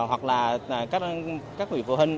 hoặc là các người phụ huynh